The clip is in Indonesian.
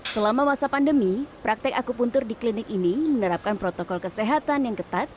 selama masa pandemi praktek aku puntur di klinik ini menerapkan protokol kesehatan yang ketat